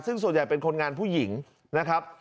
ซึ่งส่วนใหญ่เป็นคนงานผู้หญิงนะครับ